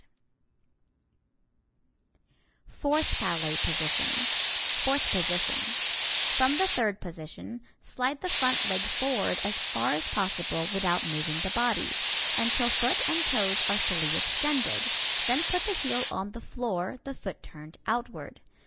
[Illustration: Fourth Ballet Position] Fourth Position: From the third position, slide the front leg forward as far as possible without moving the body, until foot and toes are fully extended; then put the heel on the floor, the foot turned outward.